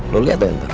lo liat gak yang ntar